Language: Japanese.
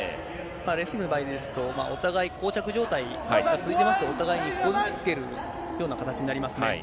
レスリングの場合ですと、お互い、こう着状態が続いてますと、お互いにのような形になりますね。